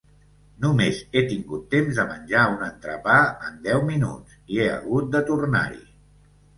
Només he tingut temps de menjar un entrepà en deu minuts, i he hagut de tornar-hi!